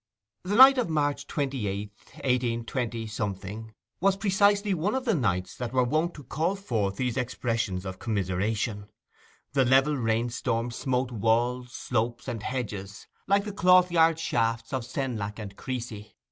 The night of March 28, 182 , was precisely one of the nights that were wont to call forth these expressions of commiseration. The level rainstorm smote walls, slopes, and hedges like the clothyard shafts of Senlac and Crecy.